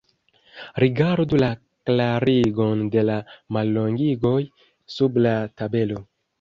Rigardu la klarigon de la mallongigoj sub la tabelo.